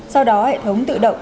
sau đó hệ thống tự động